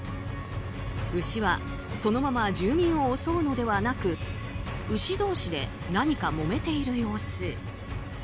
牛はそのまま住民を襲うのではなく牛同士で何かもめている様子。